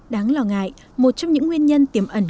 đáng lo ngại một trong những nguyên nhân tiềm ẩn